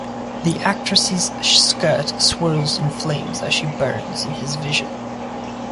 The Actress's skirt swirls in flames as she burns in his vision.